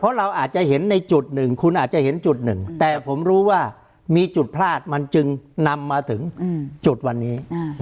เพราะเราอาจจะเห็นในจุดหนึ่งคุณอาจจะเห็นจุดหนึ่งแต่ผมรู้ว่ามีจุดพลาดมันจึงนำมาถึงจุดวันนี้